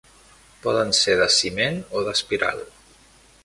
Poden ser de ciment o d'espiral.